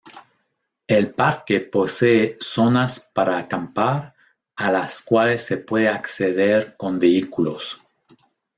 El parque posee zonas para acampar a las cuales se puede acceder con vehículos.